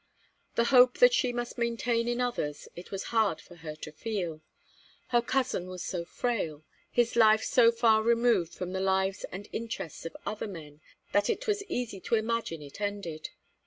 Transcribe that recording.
The hope that she must maintain in others it was hard for her to feel. Her cousin was so frail, his life so far removed from the lives and interests of other men that it was easy to imagine it ended.